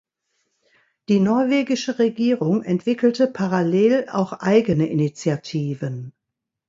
Die norwegische Regierung entwickelte parallel auch eigene Initiativen.